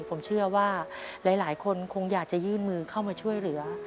ผมเชื่อว่าหลายคนคงอยากจะยื่นมือเข้ามาช่วยเหลือ